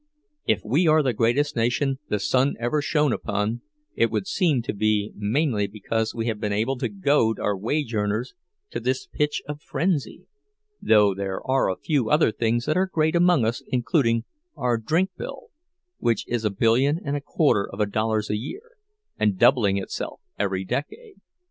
If we are the greatest nation the sun ever shone upon, it would seem to be mainly because we have been able to goad our wage earners to this pitch of frenzy; though there are a few other things that are great among us including our drink bill, which is a billion and a quarter of dollars a year, and doubling itself every decade.